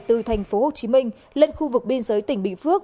từ tp hcm lên khu vực biên giới tỉnh bình phước